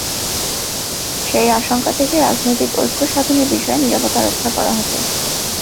সেই আশঙ্কা থেকে রাজনৈতিক ঐক্য সাধনের বিষয়ে নীরবতা রক্ষা করা হতো।